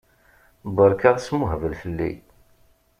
Berka asmuhbel fell-i!